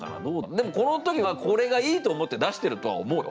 でもこの時はこれがいいと思って出してるとは思うよ。